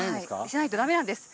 しないとダメなんです。